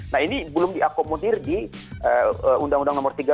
nah ini belum diakomodir di undang undang nomor tiga